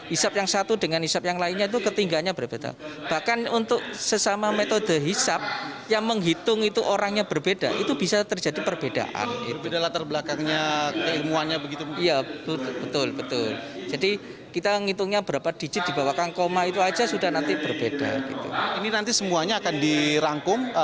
ini nanti semuanya akan dirangkum